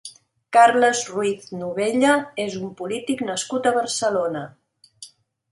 Carles Ruiz Novella és un polític nascut a Barcelona.